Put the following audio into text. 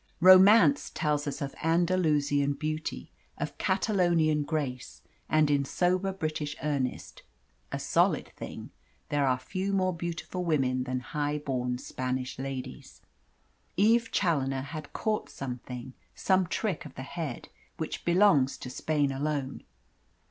Romance tells of Andalusian beauty, of Catalonian grace and in sober British earnest (a solid thing) there are few more beautiful women than high born Spanish ladies. Eve Challoner had caught something some trick of the head which belongs to Spain alone.